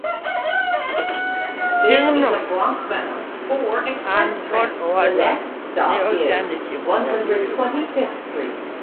Chieng' no, an kod owadwa ne ochan ni itimonwa bero.